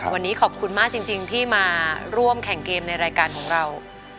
วันนี้ขอบคุณมากจริงที่มาร่วมแข่งเกมในรายการของเรา